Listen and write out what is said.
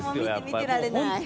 もう見てられない。